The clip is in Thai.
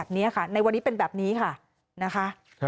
ในวันนี้เป็นแบบนี้ค่ะนะคะ